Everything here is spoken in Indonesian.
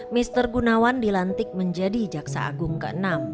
mr gunawan dilantik menjadi jaksa agung ke enam